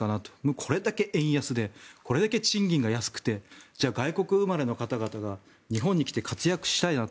これだけ円安でこれだけ賃金が安くてじゃあ外国から来た人は日本に来て活躍したいなと。